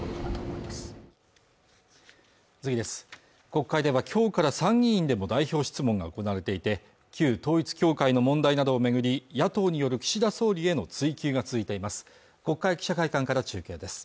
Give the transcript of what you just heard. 国会ではきょうから参議院でも代表質問が行われていて旧統一教会の問題などを巡り野党による岸田総理への追及が続いています